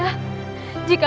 jika aku tidak bisa menemukanmu